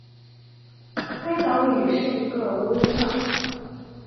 该岛屿是一个无人岛。